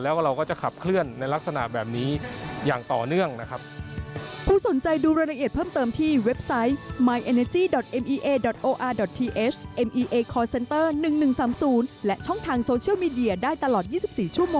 แล้วก็เราก็จะขับเคลื่อนในลักษณะแบบนี้อย่างต่อเนื่องนะครับ